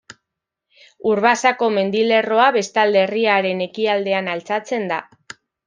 Urbasako mendilerroa bestalde herriaren ekialdean altxatzen da.